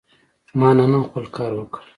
ما نن هم خپل کار وکړ.